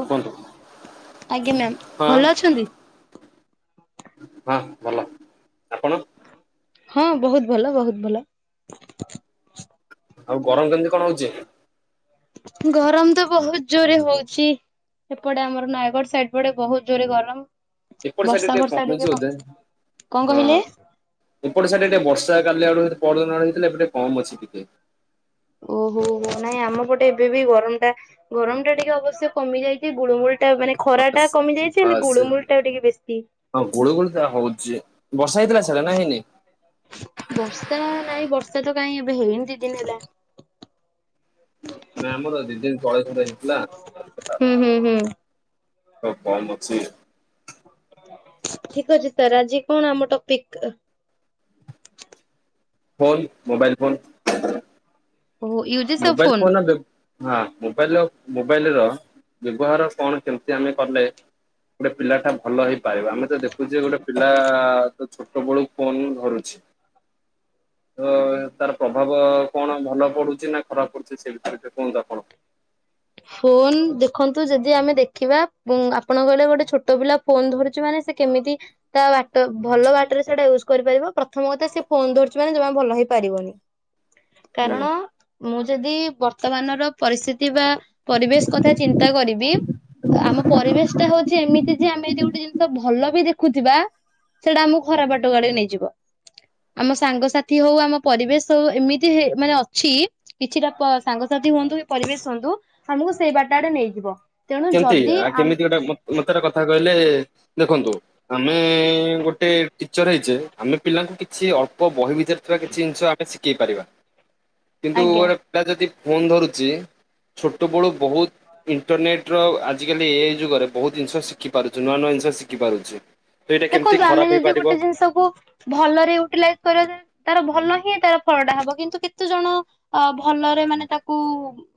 [inaudible] କୁହନ୍ତୁ ଆଜ୍ଞା ମ୍ୟାାମ ହଁ ଭଲ ଅଛନ୍ତି। ହଁ ଭଲ ଆପଣ। ହଁ ବହୁତ ଭଲ, ବହୁତ ଭଲ। ଆଉ ଗରମ କେମିତି କଣ ହଉଛି? ଗରମ ତ ବହୁତ ଜୋରରେ ହଉଛି। ଏପଟେ ଆମର ନୟାଗଡ଼ ସାଇଡ ପଡେ ବହୁତ ଜୋରରେ ଗରମ। ଏପଟେ ସାଇଡ ବର୍ଷା ବର୍ଷା କମିଛି ଟିକେ କ, ବୋଧେ କଣ କହିଲେ? ଏପଟ ସାଇଟରେ ଟିକେ ବର୍ଷା କାଲି ଆଡ ପହରଦିନ ଆଡେ ହେଇଥିଲା ଏବେ ଟିକେ କମ ଅଛି ଟିକେ। ଓହୋ ହୋ ନାଇଁ ଆମ ପଟେ ଏବେ ବି ଗରମଟା ଗରମଟା ଟିକେ ଅବଶ୍ୟ କମି ଯାଇଛି। ଏ ଗୁଳମୁଳ ଟା ମାନେ ଖରା ହଁ ଟା କମି ଯାଇଚି ହଁ ହେଲେ ସେ ଗୁଳୁମୁଳ ଟା ଟିକେ ବେଶୀ। ହଁ ଗୁଳୁ ଗୁଳି ତ ହଉଚି। ବର୍ଷା ହେଇଥିଲା ସିଆଡେ ନା ହେଇନି? ବର୍ଷା ନାଇଁ ବର୍ଷା ତ କାଇହିଁ ଏବେ ହେଇନି ଦିଦିନ ହେଲା ନା ଆମର ଦି ଦିନ [unintelligible] ହେଇଥିଲା ହୁଁ ହୁଁ ହୁଁ। ଆଉ କମ୍ ଅଛି। ଠିକ ଅଛି ସାର୍ ଆଜି କଣ ଆମ topic phone mobile phone [unintelligible] mobile phone ଦେ ହଁ ମୋବାଇଲ ମୋବାଇଲ ର ବ୍ୟବହାର କଣ କେମତି ଆମେ କଲେ ଗୋଟେ ପିଲା ଟା ଭଲ ହେଇପାରିବ? ଆମେ ତ ଦେଖୁଚେ ଗୋଟେ ପିଲା ଛୋଟ ବେଳୁ ପୁନ୍ ଧରୁଛି। ତ ତାର ପ୍ରଭାବ କଣ ଭଲ ପଡୁଚି ନା ଖରାପ କରୁଚି ସେ ବିଷୟ ରେ ଟିକେ କୁହନ୍ତୁ ଆପଣ? ଫୋନ ଦେଖନ୍ତୁ ଯଦି ଆମେ ଦେଖିବା ଆପଣ କହିଲେ ଗୋଟେ ଛୋଟ ପିଲା ଫୋନ୍ ଧରୁଚି ମାନେ ସେ କେମିତି ତା ବାଟ ଭଲ ବାଟରେ ସେଇଟା ୟୁଜ କରିପାରିବ ପ୍ରଥମ କଥା ସେ ଫୋନ ଧରିଚି ମାନେ ଯ ଭଲ ହେଇପାରିବନି। ହୁଁ କାରଣ ମୁଁ ଯଦି ବର୍ତ୍ତମାନର ପରିସ୍ଥିତି ବା ପରିବେଶ କଥା ଚିନ୍ତା କରିବି ଆମ ପରିବେଶ ଟା ହଉଚି ଏମିତି ଯେ ଆମେ ଯଦି ଗୋଟେ ଜିନିଷ ଭଲ ବି ଦେଖୁଥିବା ସେଇଟା ଆମକୁ ଖରାପ ବାଟୁ ଆଡକୁ ନେଇଯିବ। ଆମ ସାଙ୍ଗସାଥି ହଉ ଆମ ପରିବେଶ ହଉ ଏମିତି ମାନେ ଅଛି କିଛିଟା ସାଙ୍ଗସାଥି ହୁଅନ୍ତୁ କି ପରିବେଶ ହୁଅନ୍ତୁ ଆମକୁ ସେଇ ବଟଟାଟେ ନେଇଯିବ। ତେଣୁ ଯଦି ଆ ମତେଟା କଥା କହିଲେ ଦେଖନ୍ତୁ ଆମେ ଗୋଟେ ଟିଚର ହେଇଚେ ଆମେ ପିଲାଙ୍କୁ କିଛି ଅଳ୍ପ ବହି ଭିତରେ ଥିବା କିଛି ଜିନିଷ ଶିଖେଇ ହ ପାରିବା। [unintelligible] କିନ୍ତୁ ଗୋଟେ ପିଲା ଯଦି ଫୋନ୍ ଧରୁଚି ଛୋଟବେଳୁ ବହୁତ ଇଣ୍ଟରନେଟ୍ [unintelligible] ଆଜିକାଲି ଏ ଯୁଗରେ ବହୁତ ଜିନିଷ ଶିଖି ପାରୁଚି ନୂଆ ନୂଆ ଜିନିଷ ଶିଖି ପାରୁଚି। ଦେଖନ୍ତୁ ଆମେ ଯଦି ଗୋଟେ ଜିନିଷକୁୁ ଭଲରେ ୟୁଟିଲାଇଜ କରିବାପାଇଁ ତାର ଭଲ ହିଁ ତାର ଫଳ ଟା ହବ। କିନ୍ତୁ କେତେ ଜଣ ଅ ଭଲରେ ମାନେ ତାକୁ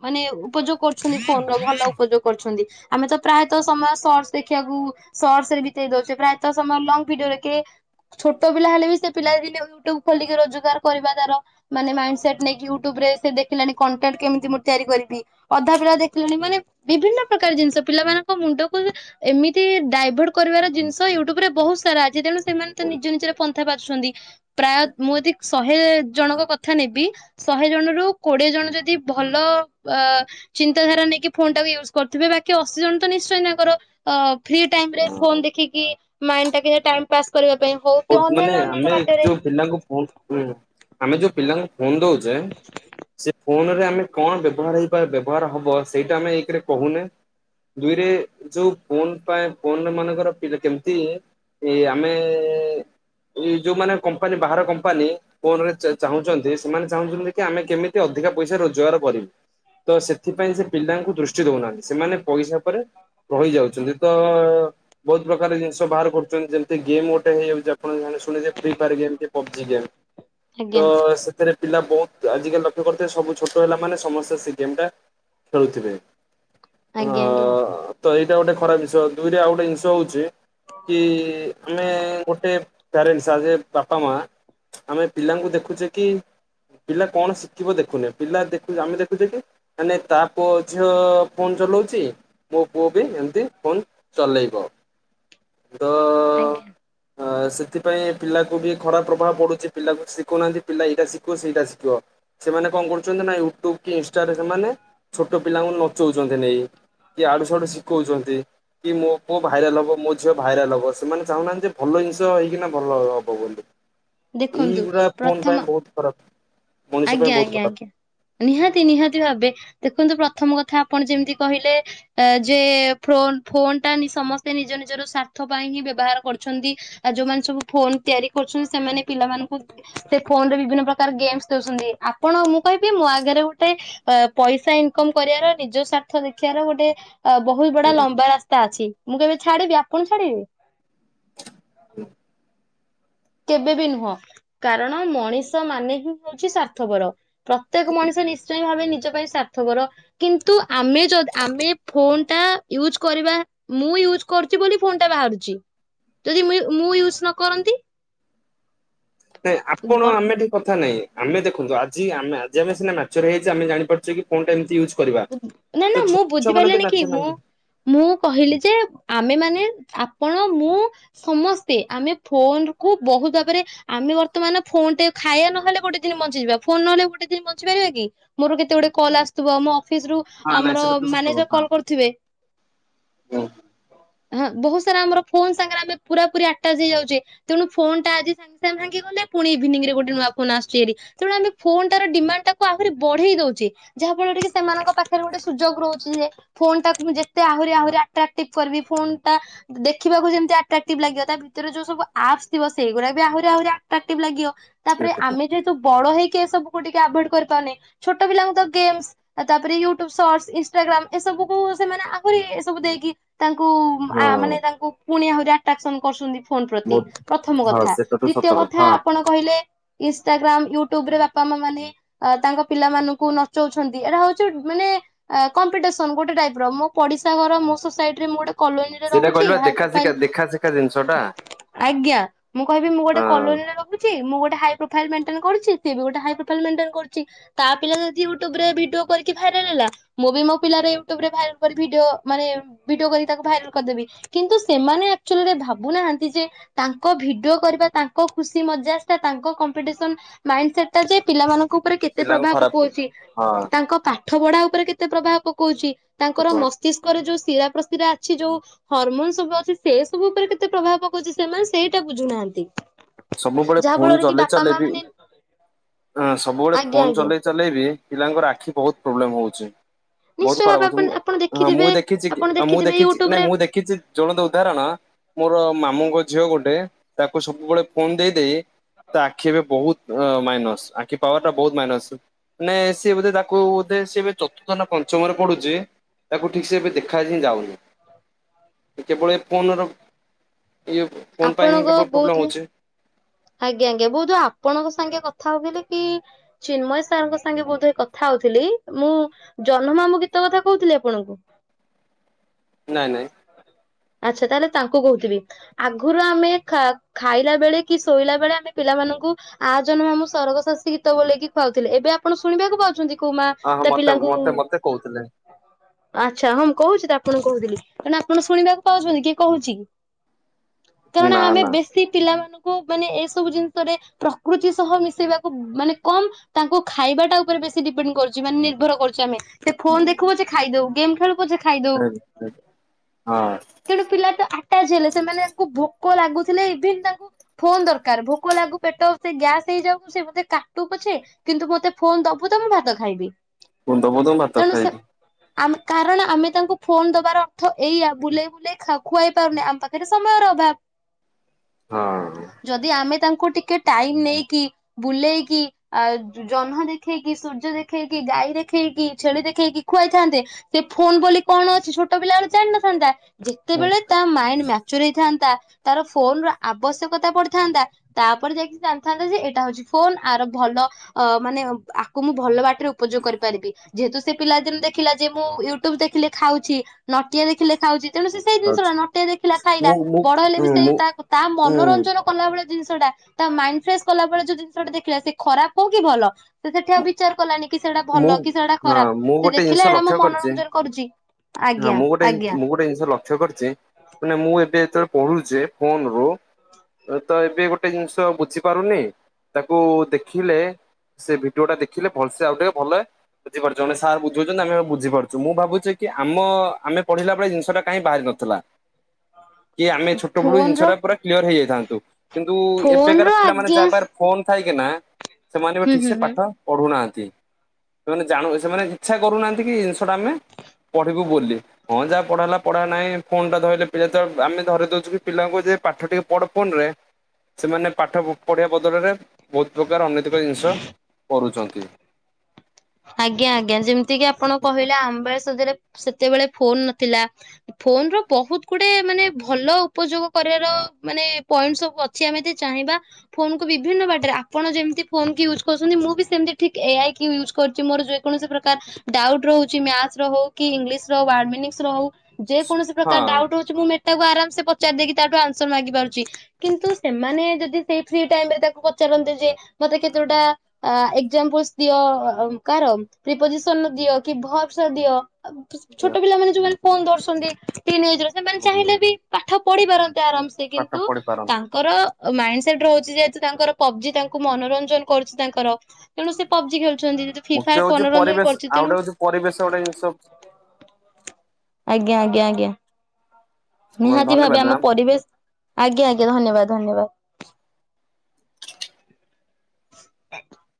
ମାନେ ଉପଯୋଗ କରୁଚନ୍ତି ପୋନ ର ମାନେ ଭଲ ଉପଯୋଗ କରୁଚନ୍ତି। ଆମେ ତ ପ୍ରାୟତଃ ସମୟ ସର୍ଟସ ଦେଖିବାକୁ ସର୍ଟସ ରେ ବିତେଇ ଦଉଚେ ପ୍ରାୟ ତ ସମୟର ଲଙ୍ଗ [unintelligible] ଛୋଟ ପିଲା ହେଲେ ବି ସେ ପିଲା ଦିନେ ୟୁଟୁବ ଖୋଲିକି ରୋଜଗାର କରିବା ତାର ମାନେ ମାଇଣ୍ଡ ସେଟ୍ ନେଇକି ୟୁଟ୍ୟୁବ ରେ ସେ ଦେଖିଲାଣି କଣ୍ଟେଣ୍ଟ କେମିତି ମୁଁ ତିଆରି କରିବି। ଅଧା ପିଲା ଦେଖିଲେଣି ମାନେ ବିଭିନ୍ନ ପ୍ରକାର ଜିନିଷ ପିଲାମାନାନଙ୍କ ମୁଣ୍ଡକୁ ଏମିତି ଡାଇଭର୍ଟ କରିବାର ଜିନିଷ ତ ୟୁଟ୍ୟୁବ ରେ ବହୁତ ସାରା ଅଛି। ତେଣୁ ସେମାନେ ତ ନିଜ ନିଜରେ ପନ୍ଥା ବାଛୁଚନ୍ତି। ପ୍ରାୟ ମୁଁ ଯଦି ଶହେ ଜଣଙ୍କ କଥା ନେବି ଶହେ ଜଣ ରୁ କୋଡିଏ ଜଣ ଯଦି ଭଲ ଅ ଚିନ୍ତାଧାରା ନେଇକି ଫୋନ୍ ଟା ୟୁଜ୍ କରୁଥିବେ ବାକି ଅଶୀ ଜଣ ତ ନିଶ୍ଚୟ ତାଙ୍କର ଅ ଫ୍ରି ଟାଇମ ରେ ହଁ ଫୋନ୍ ଦେଖିକି ମାଇଣ୍ଡ ଟା ଟାଇମ ପାସ୍ କରିବା ପାଇଁ। ହଉ କି ବହୁ ମାନେ ଅନ୍ୟାନ୍ୟ ଅନ୍ୟାନ୍ୟ ଆମେ ବାଟରେ ଯୋଉ ପିଲାଙ୍କୁ ଫୋ ହୁଁ, ଆମେ ଯୋଉ ପିଲାଙ୍କୁ ଫୋନ୍ ଦଉଚେଁ ସେ ଫୋନ୍ ରେ ଆମେ କଣ ବ୍ୟବହାର ହେଇପା ବ୍ୟବହାର ହବ ସେଇଟା ଆମେ ଏକରେ କହୁନେ। ଦୁଇରେ ଯୋଉ ଫୋନ୍ ପାଇଁ ଫୋନ୍ ମାନଙ୍କର ପିଲା କେମିତି ଏଇ ଆମେ-ଏ ଏଇ ଯୋଉମାନେ କମ୍ପାନୀ ବାହାର କମ୍ପାନୀ ଫୋନ୍ ରେ ଚା-ଚାହୁଁଚନ୍ତି, ସେମାନେ ଚାହୁଁଚନ୍ତି କି, ଆମେ କେମିତି ଅଧିକା ପଇସା ରୋଜଗାର କରିବୁ? ତ ସେଥିପାଇଁ ସେ ପିଲାଙ୍କୁ ଦୃଷ୍ ଷ୍ଟି ଦଉନାହାଁନ୍ତି, ସେମାନେ ପଇସା ପରେ ରହିଯାଉଚନ୍ତି। ତ-ଅ ବହୁତ୍ ପ୍ରକାର ଜିନିଷ ବାହାର କରୁଚନ୍ତି, ଯେମତି ଗେମ୍ ଗୋଟେ ହେଇଯାଉ ଆପଣ ଜାଣିସ୍ ଫୁଣି ସେ free fire game [unintelligible] PUBG game. ତ ଆଜ୍ଞା ସେଥିରେ ପିଲା ବହୁତ୍ ଆଜିକାଲି ଲକ୍ଷ୍ୟ କରିିଥିବେ, ସବୁ ଛୋଟ ହେଲା ମାନେ ସମସ୍ତେ ସେ ଗେମ୍ ଟା ଖେଳୁଥିବେ। ଅ ଆଜ୍ଞା, ଆଜ୍ଞା। ତ ଏଇଟା ଗୋଟେ ଖରାପ ଜିନ୍ଷ। ଦୁଇରେ ଆଉ ଗୋଟେ ଇଂଷ ହଉଛି କି-ଇ, ଆମେ ଗୋଟେ ପ୍ୟାରେଣ୍ଟସ୍, ଆଜ୍ ଏ ବାପା, ମା ଆମେ ପିଲାଙ୍କୁ ଦେଖୁଛେ କି? ପିଲା କଣ ଶିଖିବ ଦେଖୁନେ? ପିଲା ଦେଖୁ ଆମେ ଦେଖୁଛେ କି ମାନେ ତା ପୁଅ ଝିଅ ଫୋନ୍ ଚଲଉଚି ମୋ ପୁଅ ବି ଏମିତି ଫୋନ୍ ଚଲେଇବ। ଦ ଆଜ୍ଞା। ହଁ, ସେ ସେଥିପାଇଁ ଏ ପିଲାକୁ ବି ଖରାପ୍ ପ୍ରଭାବ ପଡୁଚି। ପିଲାକୁ ଶିଖଉନାହାଁନ୍ତି, ପିଲା ଏଇଟା ଶିଖିବ, ସେଇଟା ଶିଖିବ। ସେମାନେ କଣ କରୁଚନ୍ତି ନା! ୟୁଟ୍ୟୁବ୍ କି ଇନଷ୍ଟାରେ ସେମାନେ, ଛୋଟ ପିଲାଙ୍କୁ ନଚଉଚନ୍ତି ନେଇ। ଇଆଡୁ ସିଆଡୁ ଶିଖଉଛନ୍ତି। କି ମୋ ପୁଅ ଭାଇରାଲ୍ ହବ, ମୋ ଝିଅ ଭାଇରାଲ୍ ହବ। ସେମାନେ ଚାହୁଁନାହାନ୍ତି, ଯେ ଭଲ ଜିନିଷ୍ ଏଇ କି ନା ଭଲ ହ-ହବ ବୋଲି! ଦେଖନ୍ତୁ ଏଇଗୁରା ଫୋନ୍ ପ୍ରଥମ ପାଇଁ ବହୁତ ଖରାପ୍। ଆଜ୍ଞା, ଆଜ୍ଞା, ଆଜ୍ଞା, ନିହାତି ନିହାତି ଭାବେ ଦେଖନ୍ତୁ, ପ୍ରଥମ କଥା ଆପଣ ଯେମିତି କହିଲେ। ଯେ ଫ୍ରନ୍ ଫୋନ୍ ଟା ସମସ୍ତେ ନିଜ ନିଜର ସ୍ୱାର୍ଥ ପାଇଁ ହିଁ ବ୍ୟବହାର କରୁଛନ୍ତି। ଆ ଯୋଉମାନେ ସବୁ ଫୋନ୍ ତିଆରି କରୁଛନି, ସେମାନେ ପିଲାମାନଙ୍କୁ ସେ ଫୋନ୍ ରେ ବିଭିନ୍ନ ପ୍ରକାର ଗେମ୍ ସ୍ [unintelligible] ସନ୍ତି। ଆପଣ ମୁଁ କହିବି ମୋ ଆଗରେ ଗୋଟେ ଅ ପଇସା ଇନ୍ କମ୍ କରିଆର ନିଜ ସ୍ୱାର୍ଥ ଦେଖିଆର ଗୋଟେ ଅ ବହୁତ୍ ବଡା ଲମ୍ବା ରାସ୍ତା ଅଛି। ମୁଁ କେବେ ଛାଡିବି, ଆପଣ ଛାଡିବେ? ହୁ। କେବେ ବି ନୁହଁ? କାରଣ ମଣିଷ ମାନେ ହିଁ ହଉଛି ସ୍ୱାର୍ଥପର। ପ୍ରତ୍ୟେକ ମଣିଷ ନିଶ୍ଚୟ ଭାବେ ନିଜ ପାଇଁ ସ୍ୱାର୍ଥପର। କିନ୍ତୁ, ଆମେ ଯଦ୍ ଆମେ ଫୋନ୍ ଟା ୟୁଜ୍ କରିବା, ମୁଁ ୟୁଜ୍ କରୁଚି ବୋଲି, ଫୋନ୍ ଟା ବାହାରୁଚି। ଯଦି ମ୍ୟୁ ମୁଁ ୟୁସ୍ ନ କରନ୍ତି? ନାଇଁ, ଆପଣ ଆମେ ଏଠି କଥା ନାଇଁ। ଆମେ ଦେଖନ୍ତୁ, ଆଜି ଆମେ ଆଜି ଆମେ ସିନା ମାଚର ହେଇଚେ, ଆମେ ଜାଣିପାରୁଚେ କି ଫୋନ୍ ଟା ଏମତି ଇଉଜ୍ ନା, ନା, ମୁଁ ବୁଝିପାରିଲିନି କି, ମୁଁ ନାହାନ୍ତି। ମୁଁ, କହିଲି ଯେ, ଆମେ ମାନେ ଆପଣ ମୁଁ ସମସ୍ତେ, ଆମେ ଫୋନ୍ କୁ ବହୁତ୍ ଭାବରେ ଆମେ ବର୍ତ୍ତମାନ ଫୋନ୍ ଟେ, ଖାଇଆ ନ ହେଲେ ଗୋଟେ ଦିନ ବଞ୍ଚିଯିବା। ଫୋନ୍ ନ ହେଲେ ଗୋଟେ ଦିନ୍ ବଞ୍ଚି ପାରିବା କି? ମୋର କେତେ ଗୁଡେ କଲ୍ ଆସଥୁବ। ମୋ ଅଫିସ୍ ରୁ ହଁ ନାଇଁ ଆମର ସେଟା ତ ସତ ମ୍ୟାନେଜର କଥା। କଲ୍ କରୁଥିବେ। ହୁଁ ହଁ, ବହୁତ୍ ସାରା ଆମର ଫୋନ୍ ସାଙ୍ଗରେ ଆମେ ପୁରା ପୁରି ଆଟାଚ୍ ହେଇଯାଉଚେ। ତେଣୁ ଫୋନ୍ ଟା ଆଜି ସାଙ୍ଗ୍ ସାଙ୍ଗ୍ ଭାଙ୍ଗିଗଲେ, ପୁଣି ଇଭିନିଂ ରେ, ଗୋଟେ ନୂଆ ଫୋନ୍ ଆସୁଛି, ହେରି। ତେଣୁ ଆମେ ଫୋନ୍ ଟା ର ଡିମାଣ୍ଡ ଟାକୁ ଆହୁରି ବଢେଇ ଦଉଚେ। ଯାହା ଫଳରେ କି ସେମାନଙ୍କ ପାଖରେ ଗୋଟେ ସୁଯୋଗ ରହୁଛି ଯେ ଫୋନ୍ ଟାକୁ ମୁଁ ଯେତେ ଆହୁରି ଆହୁରି ଆଟ୍ରାକ୍ଟିଭ୍ କରିବି ଫୋନ୍ ଟା ଦେଖିବାକୁ ଯେମିତି ଆଟ୍ରାକ୍ଟିଭ ଲାଗିବ ତା ଭିତରେ ଯୋଉ ସବୁ ଆପ୍ସ ଥିବ ସେଇଗୁଡା ବି ଆହୁରି ଆହୁରି ଆଟ୍ରାକ୍ଟିଭ ଲାଗିବ। ତାପରେ ସେଇଟା ତ ଆମେ ଯେହେତୁ ବଡ ହେଇକି ଏ ସବୁକୁ ଟିକେ ଆଭଏଡ୍ କରିପାରୁନେ ଛୋଟ ପିଲାଙ୍କୁ ଗେମ୍ ସ୍ ଆଉ ତାପରେ ୟୁଟ୍ୟୁବ ସର୍ଚ ଇନଟାଗ୍ରାମ୍ ଏସବୁକୁ ସେମାନେ ଆହୁରି ଏ ସବୁ ଦେଇକି ତାଙ୍କୁ ଆ ମାନେ ହଁ ତାଙ୍କୁ ପୁଣି ଆହୁରି ଆଟ୍ରାକ୍ସନ କରୁଚନ୍ତି। ଫୋନ୍ ପ୍ରତି ବହୁତ ପ୍ରଥମ ହଁ କଥା, ସେଟା ତ ସତ ଦ୍ଵିତୀୟ କଥା ହଁ। ଆପଣ କହିଲେ ଇନାଗ୍ରାମ୍ ୟୁଟ୍ୟୁବ ରେ ବାପା ମା ମାନେ ତାଙ୍କ ପିଲାମାନଙ୍କୁ ନଚଉଛନ୍ତ ଏଇଟା ହଉଛି ମାନେ କମ୍ପିଟିସନ୍ ଗୋଟେ ଟାଇପ୍ ର ମୋ ପଡିଶା ଘର ମୋ ସୋସାଇଟିରେ ମୁଁ ଗୋଟେ କଲୋନିରେ ସେଇଟା ରହୁଛି କହିଲୁ ବା ହାଇ ଦେଖା ଶିଖା ପ୍ରାଇଲ୍, ଦେଖା ଶିଖା ଜିନିଷ ଟା ଆଜ୍ଞା। ମୁଁ କହିଁବି ମୁଁ ଗୋଟେ ହଁ କଲୋନିରେ ରହୁଛି ମୁଁ ଗୋଟେ ହାଇ ପ୍ରୋଫାଇଲ୍ ମେଣ୍ଟନ୍ କରୁଚି ସି ବି ଗୋଟେ ହାଇ ପ୍ରୋଫାଇଲ୍ ମେଣ୍ଟେନ୍ କର୍ ଚି। ତା ପିଲା ଯଦି ୟୁଟ୍ୟୁବ ରେ ଭିଡିଓ କରିକି ଭାଇରାଲ ହେଲା ମୁଁ ବି ମୋ ପିଲାର ୟୁଟ୍ୟୁବ ରେ ଭାଇରାଲ୍ କରି ଭିଡିଓ ମାନେ ଭିଡିଓ କରି ତାକୁ ଭାଇରାଲ୍ କରିଦେବି। କିନ୍ତୁ ସେମାନେ ଆକ୍ ଚୁଲରେ ଭାବୁନାହାନ୍ତି ଯେ ତାଙ୍କ ଭିଡିଓ କରିବା ତାଙ୍କ ଖୁସି ମଜା ଟା ତାଙ୍କ କମ୍ପିଟିସନ୍ ମାଇଣ୍ଡ ସେଟ୍ ଟା ଯେ ପିଲାମାନଙ୍କ ତାଙ୍କ ଉପରେ କେତେ ପିଲାଙ୍କୁ ପ୍ରଭାବ ଖରାପ ହୁଏ। ପକଉଛି, ହଁ ତାଙ୍କ ପାଠ ପଢା ଉପରେ କେତେ ପ୍ରଭାବ ପକଉଚି। ତାଙ୍କର ସେତ ମସ୍ତିଷ୍କରେ ଯୋଉ ଶିରା ପ୍ରସିରା ଅଛି ଯୋଉ ହରମୋନ୍ ସବୁ ଅଛି ସେ ସବୁ ଉପରେ କେତେ ପ୍ରଭାବ ପକଉଛି ସେମାନେ ସେଇଟା ବୁଝୁନାହାନ୍ତି। ସବୁବେଳେ ଯାହା ଫୋନ ଫଳରେ କି ବାପା ଚଲେଇଚଲେ ମା ବି ମାନେ ସବୁବେଳେ ଆଜ୍ଞା ଫୋନ ଆଜ୍ଞା ଚଲେଇ ଚଲେଇ ବିି ପିଲାଙ୍କର ଆଖି ବହୁତ୍ ପ୍ରୋବ୍ଲେମ୍ ହଉଚି। ବହୁତ ନିଶ୍ଚୟ ଖରାପ୍ ଭାବେ ହୋଉଛି ଆପଣ ଆପଣ ମୁ ହଁ ମୁଁ ଦେଖିଥିବେ ଦେଖିଚି କି ଆପଣ ମୁଁ ଦେଖିଥିବେ ଦେଖିଛି ୟୁଟ୍ୟୁବ ନାଇଁ ରେ ମୁଁ ଦେଖିଛି ଜଣନ୍ତ ଉଦାହରଣ ମୋର ମାମୁଙ୍କ ଝିଅ ଗୋଟେ ତାକୁ ସବୁବେଳେ ଫୋନ ଦେଇ ଦେଇ ତା ଆଖି ଏବେ ବହୁତ୍ ମାଇନସ୍ ଆଖି ପାୱାର୍ ଟା ବହୁତ୍ ମାଇନସ୍। ମାନେ ସିଏ ବୋଧେ ତାକୁ ବଧେ ସିଏ ଏ ଚତୁର୍ଥ ନା ପଞ୍ଚମରେ ପଡୁଚି। ତାକୁ ଠିକ୍ ସେ ଏବେ ଦେଖା ହିଁ ଯାଉନି କେବଳ ଏ ଫୋନ୍ ର ଇଏ ଫୋନ୍ ପାଇଁ ହିଁ ଆପଣଙ୍କ କେବଳ ବୋଧ ପ୍ରୋବ୍ଲେମ୍ ହୁଏ ହଉଚି। ଆଜ୍ଞା ଆଜ୍ଞା ବୋଧେ ଆପଣଙ୍କ ସାଙ୍ଗେ କଥା ହଉଥିଲେ କି ଚିନ୍ମୟ ସାର୍ ଙ୍କ ସାଙ୍ଗେ ବୋଧେ କଥା ହଉଥିଲି ମୁଁ ଜହ୍ନମାମୁଁ ଗୀତ କଥା କହୁଥିଲି ଆପଣଙ୍କୁ? ନାଇଁ ନାଇଁ ଆଚ୍ଛା ତାହେଲେ ତାଙ୍କୁ କହୁଥିବି, ଆଗରୁ ଆମେ ଖା-ଖାଇଲା ବେଳେ କି ଶୋଇଲା ବେଳେ ଆମେ ପିଲାମାନଙ୍କୁ ଆଉ ଜନ୍ମ ମାମୁଁ ସରଗ ଶାଶୀ ଗୀତ ବୋଲେଇକି ଖୁଆଉଥିଲେ ଏବେ ଆପଣ ଶୁଣିବାକୁ ପାଉଛନ୍ତି? କୋଉ ମା ହ ହଁ ତା ମତେ ପିଲାଙ୍କୁ ମତେ ମତେ କହୁଥିଲେ ଆଚ୍ଛା ହଁ ମୁଁ କହୁଛି ତ ଆପଣ କହୁଥିଲି, ତେଣୁ ଆପଣ ଶୁଣିବାକୁ ପାଉଛନ୍ତି କିଏ କହୁଛି? ତେଣ ନା ଆମେ ନା ବେଶୀ ପିଲାମାନଙ୍କୁ ମାନେ ଏ ସବୁ ଜିନିଷରେ ପ୍ରକୃତି ସହ ମିଶେଇବାକୁ ମାନେ କମ୍ ତାଙ୍କୁ ଖାଇବା ଟା ଉପରେ ବେଶୀ ଡିପେଣ୍ଡ କରୁଛି ମାନେ ନିର୍ଭର କରୁଛୁ ଆମେ। ସେ ଫୋନ୍ ଦେଖୁ ପଛେ ଖାଇଦଉ ଗେମ୍ ଖେଳୁ ପଛେ ଖାଇଦଉ [unintelligible] ହଁ ତେଣୁ ପିଲା ତ ଆଟାଚ୍ ହେଲେ ସେମାନେ ତାଙ୍କୁ ଭୋକ ଲାଗୁଥିଲେ ଇଭିନ୍ ତାଙ୍କୁ ଫୋନ୍ ଦରକାର୍ ଭୋକ ଲାଗୁ ପେଟ ସେ ଗ୍ୟାସ୍ ହେଇଯାଉ ସେ ବୋଧେ କାଟୁ ପଛେ କିନ୍ତୁ ମତେ ଫୋନ୍ ଦବୁ ତ ମୁଁ ଭାତ ଖାଇବି। ମୁୁଣ୍ଡ ବୋଧ ଭାତ ଖାଇବି। ଆମ କାରଣ ଆମେ ତାଙ୍କୁ ଫୋନ୍ ଦବାର ଅର୍ଥ ଏଇଆ ବୁଲେଇ ବୁଲେଇ ଖୁ- ଖୁଆଇ ପାରୁନେ ଆମ ପାଖ ଏଇଟା ସମୟର ଅଭାବ। ହଁ। ଯଦି ଆମେ ତାଙ୍କୁ ଟିକେ ଟାଇମ୍ ନେଇକି ବୁଲେଇକି ଆ ଜହ୍ନ ଦେଖେଇକି ସୂର୍ଯ୍ୟ ଦେଖେଇକି ଗାଈ ଦେଖେଇକି ଛେଳି ଦେଖେଇକି ଖୁଆଇଥାନ୍ତେ ସେ ଫୋନ୍ ବୋଲି କଣ ଅଛି ଛୋଟ ପିଲା ବେଳୁ ଜାଣିନଥାନ୍ତା। ଯେତେବେଳେ ହଁ। ତାମାଇଣ୍ଡ ମାଚ୍ୟୋର ହେଇଥାନ୍ତା ତାର ଫୋନର ଆବଶ୍ୟକତା ପଡ଼ିଥାନ୍ତା ତାପରେ ଯାଇକି ଜାଣିଥାନ୍ତାଯେ ଏଇଟା ହଉଚି ଫୋନ୍ ୟାର ଭଲ ଅ ମାନେ ଆକୁ ମୁଁ ଭଲ ବାଟରେ ଉପଯୋଗ କରିପାରିବି। ଯେହେତୁ ସେପିଲାଦିନୁ ଦେଖିଲା ଯେ ମୁଁ ୟୁଟ୍ୟୁବ ଦେଖିଲେ ଖାଉଚି ନଟିଆ ଦେଖିଲେ ଖାଉଚି ତେଣୁ ସେସେଇ ଜିନିଷଟା ନଟିଆ ଦେଖିଲା ଖାଇଲା ମୁଁ ମୁଁ ବଡ଼ ହେଲେବି ସେ ମୁଁ ତା ତା ମନ ଉଁ କଲା ଭଳିଆ ଜିନିଷଟା ତାମାଇଣ୍ଡ ଫ୍ରେସ୍ କଲା ଭଳି ଯୋଉ ଜିନିଷଟା ଦେଖିଲା ସେଖରାପ ହଉକି ଭଲ ସେ ସେଠି ଆଉ ବିଚାର କଲାନିକି ସେଇଟା ମୁଁ ଭଲ କିସେଇଟା ହଁ ଖରାପ୍ ମୁଁ ଗୋଟେ ସେଦେଖିଲା ଜିନିଷ ଏଇଟା ମୋ ଲକ୍ଷ୍ୟ କରିଛି ମନୋରଞ୍ଜନ କରୁଚି ଆଜ୍ଞା ଆଜ୍ଞା। [unintelligible] କରିଚି ମାନେ ମୁଁ ଏବେ ଯେତେବେଳେ ପଢୁଛି ଫୋନରୁ ତ ଏବେ ଗୋଟେ ଜିନିଷ ବୁଝିପାରୁନି ତାକୁ ଦେଖିଲେ ସେ ଭିଡି଼ଓଟା ଦେଖିଲେ ଭଲସେ ଆଉ ଟିକେ ଭଲ ବୁଝିପାରୁଛେ ମାନେ ସାର୍ ବୁଝଉଚନ୍ତି ଆମେ ବୁଝିପାରୁଚୁ ମୁଁ ଭାବୁଚି କି ଆମ ଆମେ ପଢିଲା ବେଳେ ଜିନିଷଟା କାହିଁ ବାହାରି ନଥିଲା। କି ଆମେ ଛୋଟ ବେଳୁ ଫୋନ ର ଜିନିଷଟା ପୁରା କ୍ଲିଅର ହେଇଯାଇଥାନ୍ତୁ କିନ୍ତୁ ଫୋନ ଏବେକାର ର ପିଲାମାନେ ଆଜ୍ଞା ଯାହା ପାଖରେ ଫୋନ୍ ଥାଇକିନା ସେମାନେବି ହୁଁ ହୁଁ ଠିକସେ ହୁଁ। ପାଠ ପଢୁନାହାନ୍ତି। ସେମାନେ ଜାଣୁ ସେମାନେ ଇଚ୍ଛା କରୁନାହାନ୍ତିକି ଜିନିଷଟା ଆମେ ପଢିବୁ ବୋଲି ହଁ ଯାହା ପଢା ହେଲା ପଢା ନାଇଁ ଫୋନଟା ଧଇଲେ ପିଲାତ ଆମେ ଧରେଇ ଦଉଚୁକି ପିଲାଙ୍କୁ ଯେ ପାଠ ଟିକେ ବଡ଼ ଫୋନରେ ସେମାନେ ପାଠ ପଢିବା ବଦଳରେ ବହୁତ୍ ପ୍ରକାର ଅନୈତିକ ଜିନିଷ କରୁଚନ୍ତି। ଆଜ୍ଞା ଆଜ୍ଞା ଯେମିତିକିି ଆପଣ କହିଲେ ଆମ ବେଳେ ସତରେ ସେତେବେଳେ ଫୋନ୍ ନଥିଲା ଫୋନର ବହୁତ୍ ଗୁଡ଼େ ମାନେ ଭଲ ଉପଯୋଗ କରିବାର ମାନେ ପଏଣ୍ଟ ସବୁ ଅ ଛି ଆମେ ଯଦି ଚାହିଁବା ଫୋନକୁ ବିଭିନ୍ନ ବାଟରେ ଆପଣ ଯେମିତି ଫୋନକୁ ୟୁଜ କରୁଚନ୍ତି ମୁଁ ବି ସେମିତି ଠିକ୍ ଏ ଆଇ କି ୟୁଜ କରୁଚି ମୋର ଯେକୌଣସି ପ୍ରକାର ଡ଼ାଉଟ ରହୁଚି ମ୍ୟାଥସ ର ହଉକି ଇଂଲିଶ ର ୱାଡ଼ ମିନିଙ୍ଗସର ହଉ ଯେକୌଣସି ହଁ ପ୍ରକାର ଡ଼ାଉଟ ହଉଚି ମୁଁ ମେଟାକୁ ଆରାମସେ ପଚାରି ଦେଇକି ତାଠୁ ଆନ୍ସର ମାଗି ପାରୁଚି କିନ୍ତୁ ସେମାନେ ଯଦି ସେଇ ଫ୍ରି ଟାଇମରେ ତାକୁ ପଚାରନ୍ତେ ଯେମତେ କେତୋଟା ଆ ଏକ୍ଜାମ୍ପଲସ ଦିଅ କାହାର ପ୍ରିପୋଜିସନର ଦିଅ କି ଭର୍ବସର ଦିଅ ଛୋଟ ପିଲା ମାନେ ଯୋଉମାନେ ଫୋନ୍ ଧରୁଛନ୍ତି ଟିନେଜର ସେମାନେ ଚାହିଁଲେବି ପାଠ ପଢି ପାରନ୍ତେ ଆରାମସେ ପାଠ କିନ୍ତୁ ପଢି ତା ପାରନ୍ତି ତାଙ୍କର ମାଇଣ୍ଡ ସେଟ୍ ରହୁଚି ଯେହେତୁ ତାଙ୍କର ପବଜି ତାଙ୍କୁ ମନୋରଞ୍ଜନ କରୁଚି ତାଙ୍କର ତେଣୁସେ ପବଜି ଖେଳୁଚନ୍ତି। ଯେ ମୁଖ୍ୟ ଫ୍ରିଫାୟାର ହଉଛି ମନୋରଞ୍ଜନ ପରିବେଶ କରୁଚି ଆଉ ତେଣୁ ଗୋଟେ ହଉଛି ପରିବେଶ ଗୋଟେ ଜିନିଷ ଆଜ୍ଞା ଆଜ୍ଞା ଆଜ୍ଞା। ନିହାତି ଭାବେ ଧନ୍ୟବାଦ ଆମ ପରିବେଶ ଆଜ୍ଞା ଆଜ୍ଞା ଧନ୍ୟବାଦ ଧନ୍ୟବାଦ। [inaudible]